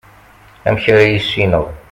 amek ara yissineɣ